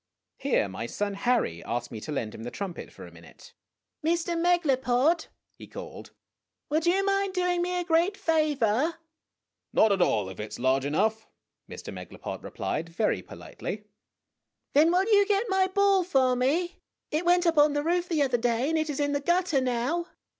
Here my son Harry asked me to lend him the trumpet for a minute. GOOD NEIGHBORS 195 " Mr. Megalopod," he called, "would you mind doing me a great favor ?"" Not at all if it is large enough," Mr. Megalopod replied very politely. "Then will you get my ball for me? It went up on the roof the other day, and it is in the gutter now."